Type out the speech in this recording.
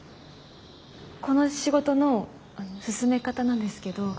この仕事の進め方なんですけど。